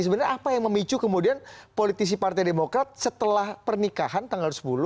sebenarnya apa yang memicu kemudian politisi partai demokrat setelah pernikahan tanggal sepuluh